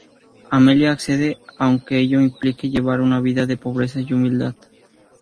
Amelia accede, aunque ello implique llevar una vida de pobreza y humildad.